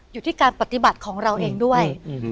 อยู่ที่การปฏิบัติของเราเองด้วย